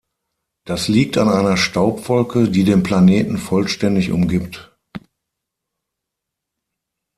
Das liegt an einer Staubwolke, die den Planeten vollständig umgibt.